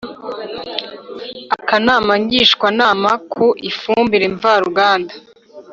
akanama Ngishwanama ku ifumbire mvaruganda